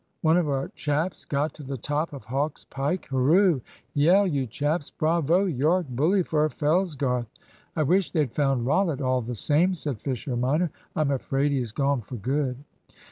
One of our chaps got to the top of Hawk's Pike. Hurroo. Yell, you chaps. Bravo, Yorke! Bully for Fellsgarth!" "I wish they'd found Rollitt, all the same," said Fisher minor; "I'm afraid he's gone for good."